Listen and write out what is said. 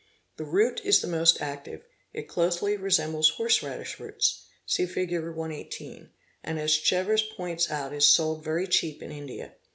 The root is the most active; it closely resembles horse radish root, see Fig. 118, and as Chevers points out is sold very cheap in India.